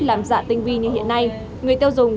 làm giả tinh vi như hiện nay người tiêu dùng